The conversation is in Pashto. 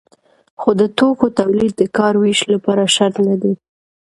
خو د توکو تولید د کار ویش لپاره شرط نه دی.